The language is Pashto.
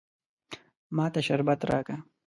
ما ته شربت راکه.